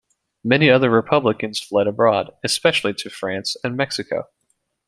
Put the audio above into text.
Many other Republicans fled abroad, especially to France and Mexico.